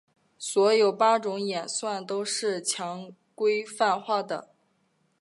所有八种演算都是强规范化的。